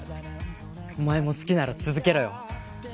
お前も好きなら続けろよ